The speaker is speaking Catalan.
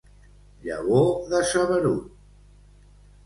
Llavor de saberut.